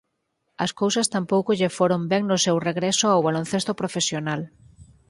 As cousas tampouco lle foron ben no seu regreso ao baloncesto profesional.